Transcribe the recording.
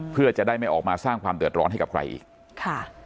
เพื่อจะได้ไม่ออกมาสร้างความเดือดร้อนให้กับใครอีกค่ะ